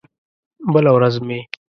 بله ورځ مې